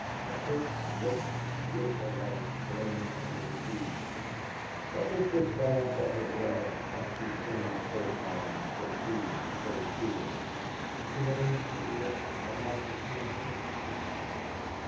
A thick, rich, beautiful light shone under the trees. What was this dance of her blood while she seemed so calm, so cool, so sure? "Does he have any idea that I might return to him?" she asked.